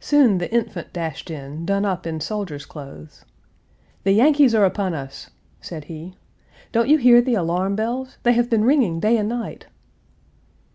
Soon the Infant dashed in, done up in soldier's clothes: "The Yankees are upon us!" said he. "Don't you hear the alarm bells? They have been ringing day and night!"